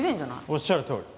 おっしゃるとおり。